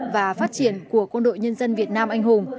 và phát triển của quân đội nhân dân việt nam anh hùng